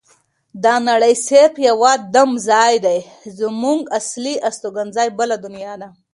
دا نړۍ صرف یو دمه ځای دی زمونږ اصلي استوګنځای بله دنیا ده.